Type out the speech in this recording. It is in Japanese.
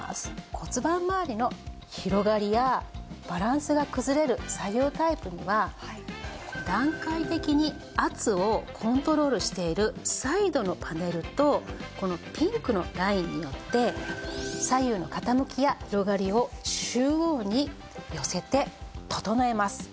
骨盤まわりの広がりやバランスが崩れる左右タイプには段階的に圧をコントロールしているサイドのパネルとこのピンクのラインによって左右の傾きや広がりを中央に寄せて整えます。